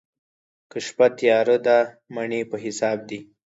که شپه تياره ده، مڼې په حساب دي.